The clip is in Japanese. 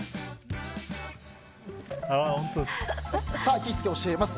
行きつけ教えます！